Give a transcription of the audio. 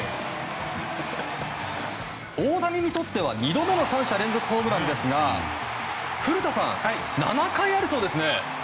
大谷にとっては２度目の３者連続ホームランですが古田さん、７回あるそうですね？